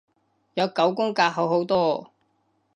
有九宮格好好多